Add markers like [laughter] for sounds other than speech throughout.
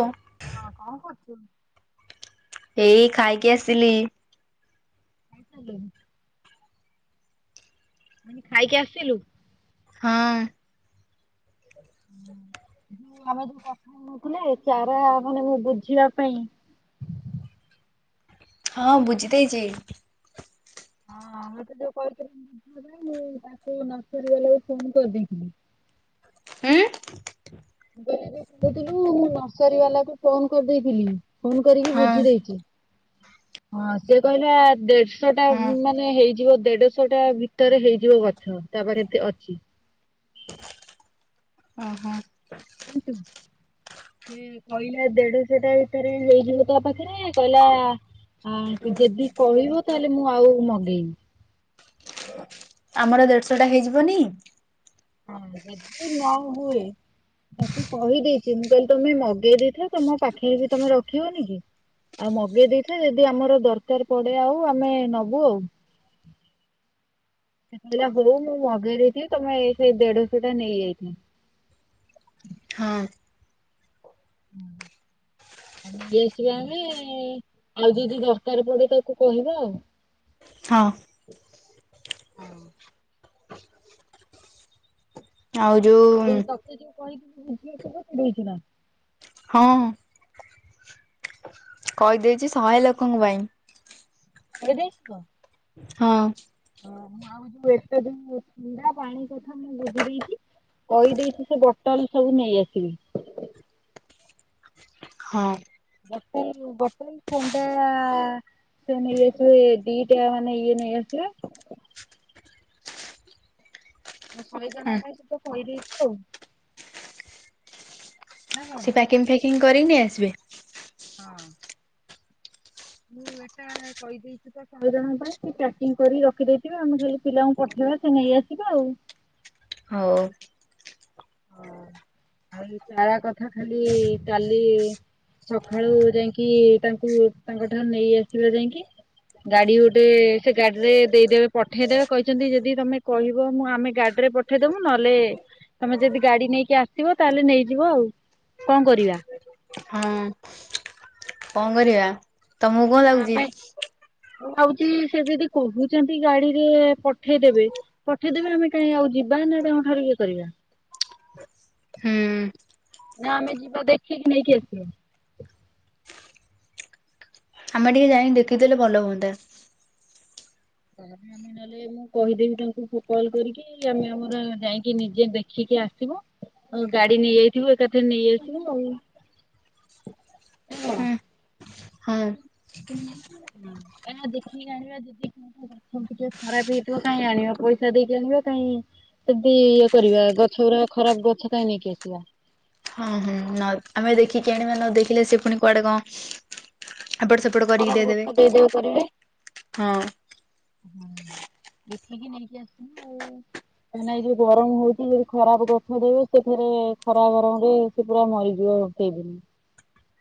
ଓ ହଁ କଣ କରୁଛୁ? ଏଇ ଖାଇକି ଆସିଲି। ହାଲୋ [inaudible] ମାନେ ଖାଇକି ଆସିଲୁ? ହଁ। ହଁ। [inaudible] ଯୋଉ ଆମେ ଯୋଉ କଥା ହଉଥିଲେ ଚାରା ମାନେ ବୁଝିବା ପାଇଁ [inaudible] ହଁ ବୁଝି ଦେଇଛି। ହଁ। ମା ତ ଯଉକହିଥିଲେ ବୁଝିବା ପାଇଁ ମୁଁ ତାକୁ ନକରିବା ଲାଗି ଫୋନ୍ କରିଦେଇ ଥିଲି। ହୁଁ। କହୁଥିଲୁ ମୁ ନର୍ସରୀ ବାଲାକୁ ଫୋନ କରିଦେଇଥିଲି ଫୋନ କରିକି ହଁ ବୁଝି ଦେଇଛି। ହଁ ସେ କହିଲା ଦେଢଶହ ଟା ହଁ ମାନେ ହେଇଯିବ ଦେଢଶହ ଟା ଭିତରେ ହେଇଯିବ ଗଛ ତାପାଖରେ ଅଛି। ଓହୋ। ସିଏ କହିଲେ ଦେଢଶ। ସେଇଟା ଭିତେରେ ହେଇଯିବ ତା ପାଖରେ କହିଲା ହଁ କୁ ଯଦି କହିବ ତାହେଲେ ମୁଁ ଆଉ ମଗେଇବି। ଆମର ଦେଢ଼ଶ ଟା ହେଇଯିବନି। ହଁ ଯଦି ନ ହୁଏ ତାକୁ କହିଦେଇଛି ମୁଁ କହିଲେ ତମେ ମ ଦେଇ ଦେଇଥା ତମ ପାଖେଇ କି ତମେ ରଖିବନି କି? ଆଉ ମଗେଇ ଦେଇଥା ଯଦି ଆମର ଦରକାର ପଡେ ଆଉ ଆମେ ନବୁ ଆଉ।। [inaudible] ସେ କହିଲା ହଉ, ମୁଁ ମଗେଇ ଦେଇଥିବି ତମେ ଏ ସେଇ ଦେଢଶହ ଟା ନେଇଆଇଚି। [inaudible] ହଁ। ହୁଁ। [inaudible] ଆ ନେଇ ଆସିବା ଆମେ ଆଉ ଯଦି ଦରକାର ପଡେ ତାକୁ କହିବା ଆଉ। ହଁ। ହଁ। ଆଉ ଯୋଉ। [unintelligible] ଦେଇଥିଲା। ହଁ। କହିଦେଇଛି ଶହେ ଲୋକଙ୍କ ପାଇଁ। କହି ଦେଇଛୁ ତ। ହଁ। ଆଉ ଯୋଉ ଏତେ ଦିନି ଯୋଉ ଥଣ୍ଡା ପାଣି କଥା ମୁଁ ବୁଝି ଦେଇଛି। କହିଦେଇଛି ସେ ବୋଟଲ ସବୁ ନେଇ ଆସିବି। ହଁ। [unintelligible] ବୋଟଲ ଥଣ୍ଡା। ସେ ନେଇ ଆସିବେ ଦିଇଟା ମାନେ ଇଏ ନେଇ ଆସିବେ। ଆଉ ଶହେ ହଁ ଜଣଙ୍କ ପାଇଁ ତୁ ତ କହି ଦେଇଛୁ ଆଉ। ନା କଣ? ସେ ପ୍ୟାକିଂ ଫ୍ୟାକିଙ୍ଗ କରିକି ନେଇ ଆସିବେ। ହଁ। ମୁଁ ଏଟା କହିଦେଇଚି ତ ଶହେ ଜଣ ପାଇଁ ପାକିଂ କରି ରଖି ଦେଇଥିବେ। ଆମେ ଖାଲି ପିଲାଙ୍କୁ ପଠେ ସେରା ସେ ନେଇ ଆସିବେ ଆଉ। ହୋଉ। ହଁ ଆଉ ଏ ଚାରା କଥା ଖାଲି କାଲି ସକାଳୁ ଯାଇଁକି ତାଙ୍କୁ ତାଙ୍କଠାରୁ ନେଇ ଆସିବା ଯାଇଁକି। ଗାଡି ଗୋଟେ ସେ ଗାଡିରେ ଦେଇଦେବେ ପଠେଇଦେବେ କହିଚନ୍ତି। ଯଦି ତମେ କହିବ ମୁଁ ଆମେ ଗାଡି ରେ ପଠେଇଦୋବୁ ନହେଲେ ତମେ ଯଦି ଗାଡି ନେଇକି ଆସିବ ତାହେଲେ ନେଇଯିବ ଆଉ କଣ କରିବା? ହଁ। କଣ କରିବା, ତମକୁ କଣ ଲାଗୁଚି? ଆମେ ମୁଁ ଭାବୁଚି ସେ ଯଦି କୋହୁତନ୍ତି ଗାଡିରେ ପଠେଇଦେବେ ପଠେଇଦେବେ ଆମେ କାଇଁ ଆଉ ଯି ଯିବା ନା ତାଙ୍କ ଠାରୁ ଇଏ କରିବା। ହୁଁ ନା ଆମେ ଯିବା ଦେଖିକି ନେଇକି ଆସିବା। ଆମେ ଟିକେ ଯାଇ ଦେଖିଦେଲେ ଭଲ ହୁଅନ୍ତା। ଆମେ ନହେଲେ ମୁଁ କହିଦେବି ତାଙ୍କୁ କଲ କରିକି ଆମେ ଆମର ଯାଇକି ନିଜେ ଦେଖିକି ଆସିବ। ଆ ଗାଡି ନେଇଯାଇଥିବୁ ଏକାଥରେ ନେଇ ଆସିବୁ ଆଉ। ନା ହୁଁ। କଣ? [unintelligible] ହ ଆ ଦେଖିକି ଜାଣିବା ଯଦି କ ଅଛନ୍ତି ଖରାପ ହେଇଥିବ କାହିଁ ଆଣିବା ପଇସା ଦେଇକି ଆ କାଇଁ ସେମିତି ଇଏ କରିବା। ଗଛ ଗୁଡା ଖରାପ ଗଛ କାହିଁ ନେଇକି ଆସିବା। ହଁ ହଁ ଆମେ ଦେଖିକି ଆଣିବା ନ ଦେଖିଲେ ସେ ପୁଣି କୁଆଡେ କଣ ଏପଟ ସେପଟ କରିକି ଖରାପ ଗଛ ଦେଇଦେବେ। ହଁ। [unintelligible] ତ ନାଇଁ ଯୋଉ ଗରମ ହଉଛି ଯଦି ଖରାପ ଗଛ ଦେବେ ସେଫେରେ ଖରା ଗରମରେ ସେ ପୁରା ମରିଯିବ। [unintelligible]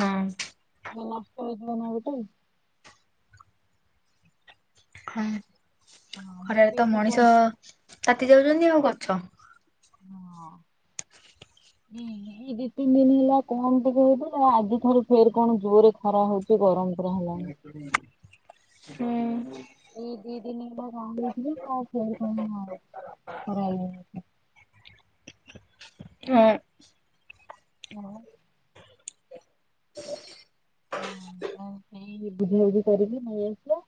ହଁ [unintelligible] ହଁ ହଁ ମୁଁ ଖରାରେ ବି ତ ଏଠି କହି ମଣିଷ ତାତି ଯାଉଛନ୍ତି ଆଉ ଗଛ। ହଁ। ହୁଁ ଏଇ ଦି ତିନି ଦିନ ହେଲା କମ ଟିକେ ହେଉଥିଲା। ଆଜି ଠାରୁ ଫେରେ କଣ ଜୋରେ ଖରା ହଉଛି ଗରମ ପୁରା ହେଲାଣି। [unintelligible] ହଁ ଏଇ ଦି ଦିନ [unintelligible] ଖରା [unintelligible] [unintelligible] ହଁ ବୁଝାବୁଝି କରିକି ନେଇଆସିବା।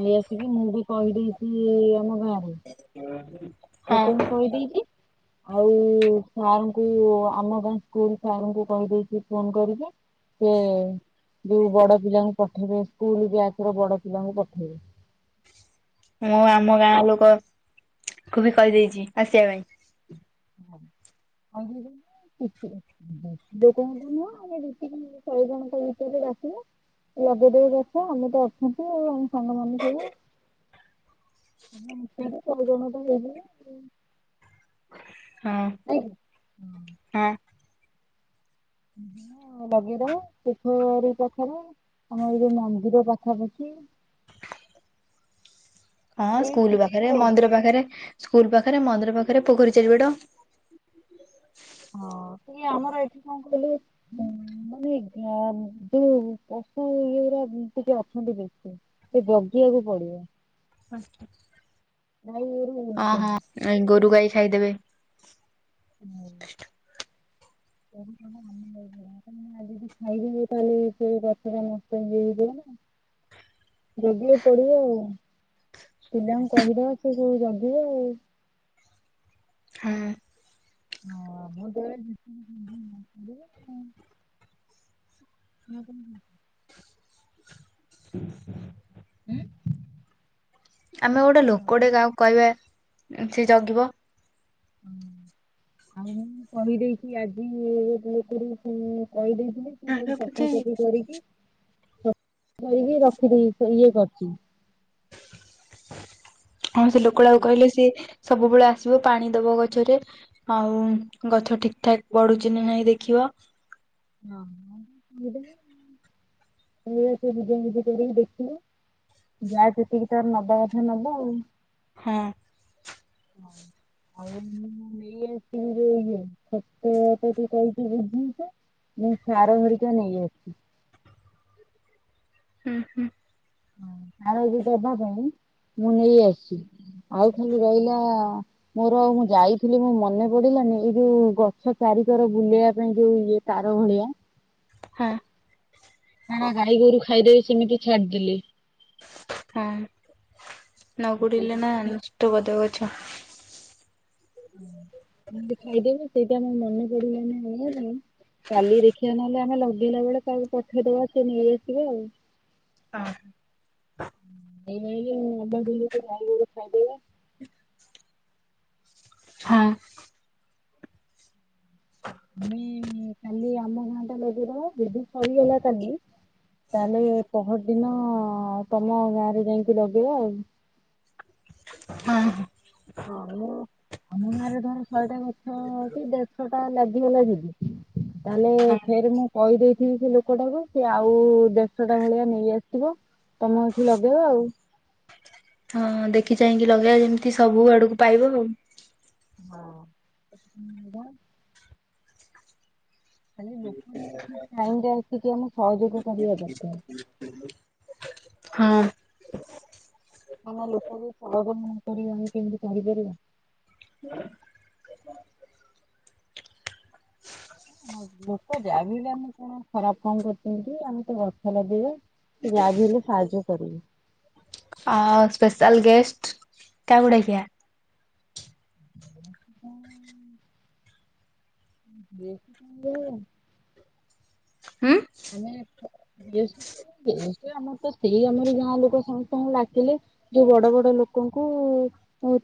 ନେଇ ଆସିକି ମୁଁ ବି କହିଦେଇଛି ଆମ ଗାଁରେ। ହଁ ଲୋକଙ୍କୁ କହିଦେଇଛି। ଆଉ ସାର୍ ଙ୍କୁ ଆମ ଗାଁ ସ୍କୁଲ ସାର୍ ଙ୍କୁ କହିଦେଇଛି ଫୋନ କରିକି। ସେ ଯୋଉ ବଡ ପିଲାଙ୍କୁ ପଠେଇବେ ସ୍କୁଲ ବ୍ୟାଚର ବଡ ପିଲାଙ୍କୁ ପଠେଇବେ। [inaudible] ମୁଁ ଆମ ଗାଁ ଲୋକ ଙ୍କୁବି କହିଦେଇଛି ଆସିବା ପାଇଁ। [unintelligible] [unintelligible] ଶହେ ଜଣଙ୍କ ଭିତରେ ଆସିବା। ଲଗେଇଦବ ଦେଖ ଆମେ ତ ଅଛନ୍ତି ଆଉ ଆମ ସାଙ୍ଗ ମାନେ ସବୁ ତିନି ଚାରି ଜଣରେ ହେଇଯିବ। ହଁ। କାହିଁକି? ହଁ [inaudible] ଲଗିପାରେ ପୋଖରୀ ପାଖର ଆଉ ଯୋଉ ମନ୍ଦିର ପାଖାପାଖି। ହଁ ଏଇଠି ସ୍କୁଲ ଟିକେ ପାଖେରେ ମନ୍ଦିର ପାଖେରେ ସ୍କୁଲ ପାଖେରେ ମନ୍ଦିର ପାଖେରେ ପୋଖରୀ ଚାରିପଟ। ହଁ। ସେ ଆମର ଏଠି କଣ କହିଲୁ ମାନେ ଯୋଉ ପଶୁ ଟିକେ ଅଛନ୍ତି ବେଶ ସେ ଜଗିବାକୁ ପଡିବ। ହଁ ଗାଈଗୋରୁ ହଁ ଗୋରୁ ଗାଈ ଖାଇଦେବେ। ହୁଁ। [unintelligible] ଆ ଯଦି ଖାଇଦବି ତାହେଲେ ସେ ଗଛ ଟା ମସ୍ତ ହେଇଯଯଥିବ ନା ଜୋଗିବାକୁ ପଡିବ ଆଉ। ପିଲାଙ୍କୁ କହିଦେବା ସ କୋଉ ଜଗିବେଆଉ। ହଁ। ହଁ ମୁ ନା କନ କୋଉଛ। [inaudible] [inaudible] ଆମେ ଗୋଟେ ଲୋକ ଟେ କାହାକୁ କହିବା ସେ ଜଗିବ। ହୁଁ। ଆଉ ମୁଁ କହିଦେଇଛି ଆଜି ଲୋକଟି କହିଦେଇଛି ସବୁ ସଫା କରି କରିକି କି ରଖିଦେଇ ଇଏ କରିଛି। ହଁ ସେ ଲୋକଟାକୁ କହିଲେ ସିଏ ସବୁବେଳେ ଆସିବ ପାଣି ଦବ ଗଛରେ ଆଉ ଗଛ ଠିକ ଠାକ୍ ବଢୁଛି ନା ନାଇଁ ଦେଖିବ। [inaudible] ନାଁ [unintelligible] ସେ ଅ ସେ ବିଜଝିକି ଦେଖିିଲୁ। ଯା ସେତିକି ତାର ନବା କଥା ନବ ଆଉ। ହଁ। ହଁ। ଆଉ ମୁଁ ନେଇ ଆସିବି ଇଏତ ତ କହିଛିି ବୁଝିଛ। ମୁଁ ସାର ହେରିକା ନେଇ ଆସିଛି। ହୁଁ ହୁଁ। ହଁ ଆଳ ଦେବା ପାଇଁ ମୁଁ ନେଇ ଆସିଛି। ଆଉ ଖାଲି ରହିଲା ମୋର ମୁଁ ଯାଇଥିଲି ମୁଁ ମନେ ପଡିଲାନି ଏଇ ଯୋଉ ଗଛ ଚା ଚାରିକର ବୁଲେଇବା ପାଇଁ ଯୋଉ ଇଏ ତାର ଭଳିଆ ହଁ। ନା ନା ଗାଈ ଗୋରୁ ଖାଇଦେ ବି ସେମିତି ଛାଡିଦେଲେ। ହଁ ନ ଗୁଡ଼ିଲ ନା ସେଇଥିପାଇଁ ଅଷ୍ଟ ବଧ ଆଚ୍ଛା [inaudible] ହ ଖାଇଦେବ ସେଇଟାମ ମନେ ପଡିଲାନି କାଲି ଦେଖିବା ନହେଲେ ଆମେ ଲ ଦିନ ବେଳେ କାହାକୁ ପଠେଇଦବା ସି ନେଇଆସିବେ ଆଉ। ହଁ। ଏାଇ ଆାଇ ଗ ଖାଇଦବା ହଁ। ଆମେ କାଲି ଆମ ଘାଁଟା ଲଗାଇଦେବା ଯଦି ସରିଗଲା କାଲି। ତାହେଲେ ପହର ଦିନ। ହଁ ତମ ଗାଁରେ ଯାଇକି ଲଗେଇବା ଆଉ। ହଁ ହଁ। ଆଉ ଆମ ଗାଁ ରେ ଧର ଶହେଟା ଗଛ କି ଦେଢଶହ ଟା ଲାଗୁ। ଯଦି ତାହେଲେ ହଁ ଫେରେ ମୁଁ କହିଦେଇ ସେ ଲୋକଟାକୁ ସେ ଆଉ ଦେଶଟା ଭଳିଆ ନେଇ ଆସିଥିବ ତମେ ଏଠି ଲଗେଇବ ଆଉ। ହଁ ଦେଖି ଚାହିଁକି ଲଗେଇବା ଯେମିତି ସବୁ ଆଡକୁ ପାଇବ ଆଉ। ହଁ [unintelligible] ଖଲି ଲୋକ ଯଠ ଟାଇ ଆିକ ଆମେ ସହଯୋଗ କରିବା ଦରକାର [unintelligible] ହଁ। କ ଲୋକ ବି କରିବା ଆମ କେମିତି କରିପାରିବା? ହ [unintelligible] ଲୋକ ଯାବି ହେଲେ ଆମେ କଣ ଖରାପ କଣ କରିଛନ୍ତି କି ଆମେ ତ ଗଛ ଲାଗେଇବା। ଯା ବିିଲେ ସାହାଯ କରିବେ। ଆଉ ସ୍ପେଶାଲ ଗେଷ୍ଟ କାହାକୁ ଡାକିବା ହୁଁ। ଦେଖ [unintelligible] ହୁଁ ଆ [unintelligible] ଗେସଟେ ସେଇ ଆମର ତ ସେଇ ଆମର ଗାଁ ଲୋକ ସମସ୍ତଙ୍କୁ ଡାକିଲେ ଯୋଉ ବଡ ବଡ ଲୋକଙ୍କୁ।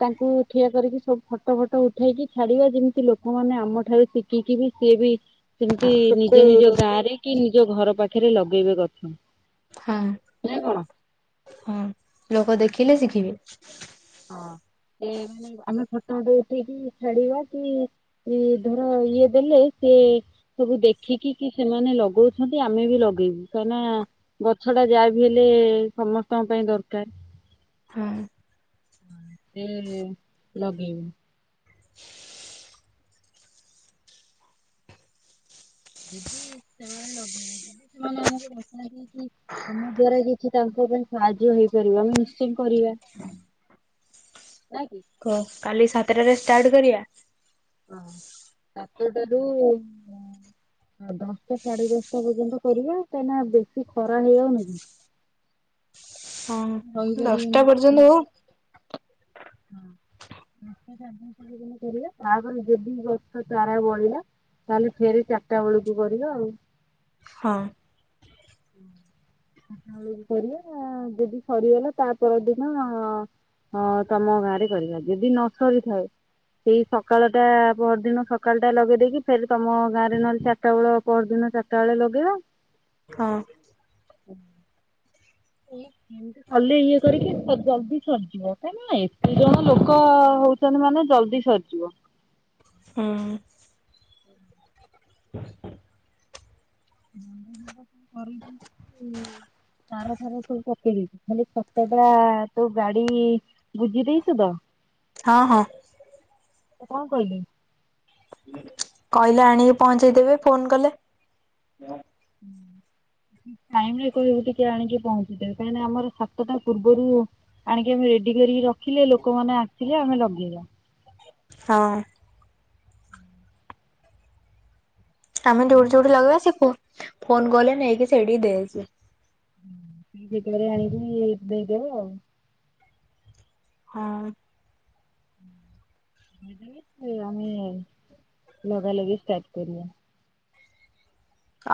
ତାଙ୍କୁ ଠିଆ କରିକି ସବୁ ଫଟ ଫଟ ଉଠେଇକି ଛାଡିବା ଯେମିତି ଲୋକମାନୋନ ଆମଠାରୁ ଶିଖି ଏଠି ବି ସିଏବି ସେମିତି ନିଜ ନିଜ ହଁ ଗାଁ ରେ କି ନିଜ ଘର ପାଖରେ ଲଗେଇବେ ଗଛ ନା କଣ? ହଁ ଲୋକ ଦେଖିଲେ ଶିଖିବେ। ହଁ। ଏ ମାନେ ଆମେ ଫଟ ପଟ ଉଠେଇକି ଛାଡିବା କି ଧର ଇଏ ଦେଲେ। ଇଏ ସବୁ ଦେଖିକି କି ସେମାନେ ଲଗଉଛନ୍ତି ଆମେ ବି ଲଗେଇବୁ କାହିଁନା ଗଛଟା। ଯା ବି ହେଲେ ସମସ୍ତଙ୍କ ପାଇଁ ଦରକାର। ହଁ। ହ ସେ ଲଗେଇ ଯଦି ସେମାନେ ଲଗେଇବେ ଯଦି ସେମାନେ ଆମକୁ ଡନ୍ତି କି ଆମ ଦୱରା କିଛି ତାଙ୍କୁ ସାହାଯ୍ୟ ହେଇପାରିବ ଆମେ ନିଶ୍ଚୟ କରିବା ନା କି କ କାଲି ସାତଟାରେ ଷ୍ଟାର୍ଟ କରିବା। ହଁ ସାତ ଟାଲୁନ ଉ ଆଉ ଦଶଟା ସାଢେ ଦଶଟା ପର୍ଯ୍ୟନ୍ତ କରିବା କାହିଁକି ନା ବେଶୀ ଖରା ହେଇଯାଉନି କି? [inaudible] ଦଶ୍ ଟା ରହିପାରିବେନି ପର୍ଯ୍ୟନ୍ତ ହଉ। [unintelligible] ଦସ ଟା ସାଡେ ଦସ ଟା ପଯୈନ୍ତ କରିବା ତାପରେ ଯଦି କଥା ତାରା ବଢିଲ। ତାହେଲେ ଫେରି ଚାରିଟା ବେଳକୁ କରିବା ଆଉ। ହଁ। [unintelligible] ସକାଳ କୁ କରିବା ଯଦି ସରିଗଲା ତା ପରଦିନ। ହଁ ତମ ଗାଁ ରେ କରିବା ଯଦି ନ ସରିଥାଏ। ସେଇ ସକାଳଟା ପରଦିନ ସକାଳ ଟା ଲଗେଇଦେଇକି ଫେ ତମ ଗାଁ ରେ ନହେଲେ ଚାରିଟା ବେଳ ପହର ଦିନ। ଚଟାବେଳେ ଲଗେ ଆ। ହଁ। [unintelligible] ଖାଲି ଇଏ କରିକି ଜଲଦି ସରିଯିବ କାଁକି ନା ଏତେ ଜଣ ଲୋକ ହଉଛନ୍ତି ମାନେ। ଚାଲଦି ସରିଯିବା। ହଁ। [unintelligible] [unintelligible] [inaudible] ତାରଥାର ସବୁ ପକେଇ ଦେଇଛି ଖାଲି ସତ ଟା ତୁ ଗାଡି ବୁଝି ଦେଇେଇଛୁ ତ। ହଁ ହଁ। ତ କଣ କହିଲି। କହିଲେ ଆଣିକି ପହଞ୍ଚେଇଦେବେ ଫୋନ କଲେ। ଟାଇମ ରେ କହିବୁ ଟିକେ ଆଣିକି ପହଞ୍ଚିଦେବେ କାହିଁକିନା ଆମର ସାତଟା ପୂର୍ବରୁ। ଆଣିକି ଆମେ ରେଡି କରିକି ରଖିଲେ ଲୋକମାନେ ଆସିଲେ ଆମେ ଲଗେଇବା। ହଁ। ଆମେ ମୁଁ ଯୋଉଠି ଯୋଉଠି ଭାବିଲି ଲଗେଇବାସି ଫୋନ କଲେ ନେଇକି ସେଇଠି ଦେଇଛି। ଆଣିକି ଦେଇଦବ ଆଉ। ହଁ। ଆମେ। ଲଗାଲଗି ଷ୍ଟାର୍ଟ କରିଆ।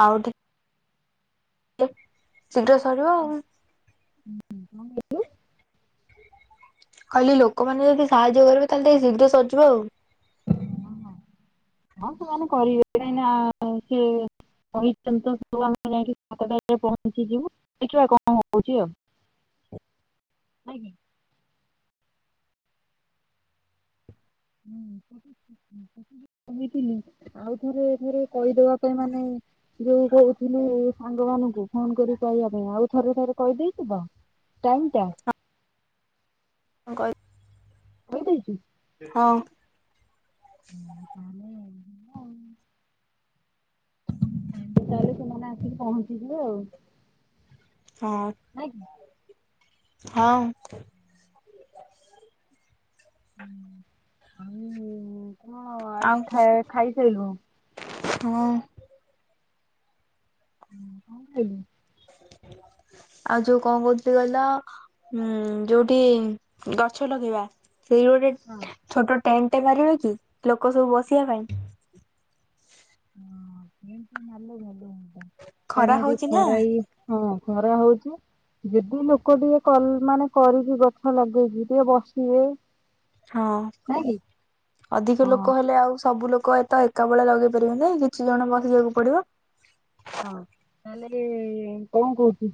ଆଉଠ। ଶୀଘ୍ର ସରିବ ଆଉ। କହିଲି ଲୋକମାନେ ଯଦି ସାହାଯ୍ୟ କରିବେ ତାହେଲେିକ ଶୀଘ୍ର ସଜିବ ଆଉ। ହଁ ସେମାନେ କରିବେ କହିଁ ସେ। କହି ତୁ ଆମେ ଯାଇକି ସାତଟରେ ପହଞ୍ଚିଯିବୁ ଦେଖିବା କଣ ହଉଛି ଆଉ। ଆଜ୍ଞା। ମି ଆଉ ଥରେରେ କହିଦବା ପାଇଁ ମାନେ। ଯ କହୁଥିଲେ ସାଙ୍ଗ ମାନଙ୍କୁ ଫୋନ କରି କହିବା ପାଇଁ ଆଉ ଥରେ ଥରେ କହିଦେଇଥିବ। ଟାଇମଟା। କଙ୍କ। କଠ ତାହଲେ। ତାହେଲେ ତୁମାନେ ଆସିକି ପହଞ୍ଚିଥିଲୁ ଆଉ। ହଁ। ନାଇଁ କି? ହଁ। ଆ କଣ ଆଉ ଆଜି ଖ ଖାଇସ। ହୁ। ହଁ କଣିଲ। ଆଉ ଯୋଉ କଣ କହୁଥିଲି କହିଲ ଉ ଯୋଉଠି ଗଛ ଲଗେଇବା। ସେଇ ଗୋଟେ ହଁ ଛୋଟ। ଟେଣ୍ଟ ମାରିବ କି ଲୋକ ସବୁ ବସିବା ପାଇଁ। ଲେ ଭଲ ହୁଅନ୍ତା ଖରା କାହିଁକି ଯୋଉ ହଉଛି ନା ଖରାଇ ହଁ। ଖରା ହଉଛି। ଯଦି ଲୋକ ଟିକେ ମାନେ କରିକି ଗଛ ଲଗେଇକି ଟିକେ ବସିବେ। ହଁ ନାଇଁ କି? ଅଧିକ ହଁ ଲୋକ ହେଲେ ଆଉ ସବୁ ଲୋକ। କ ତ ଏକା ବେଳେ ଲଗେଇ ପାରିବି ନାଇଁ କିଛି ଜଣ ବସିବାକୁ ପଡିବ। ହଁ ତାହେଲେ କଣ କୋହୁଚୁ